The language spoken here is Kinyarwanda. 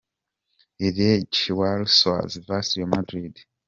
Legia Warszawa vs Real Madrid.